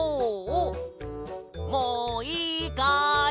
もういいかい？